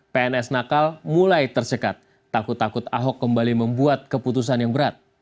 pns nakal mulai tercekat takut takut ahok kembali membuat keputusan yang berat